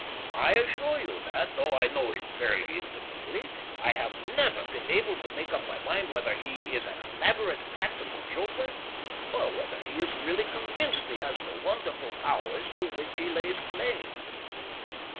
"I assure you that, though I know him fairly intimately, I have never been able to make up my mind whether he is an elaborate practical joker, or whether he is really convinced he has the wonderful powers to which he lays claim."